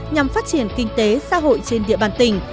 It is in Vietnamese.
nhằm phát triển kinh tế xã hội trên địa bàn tỉnh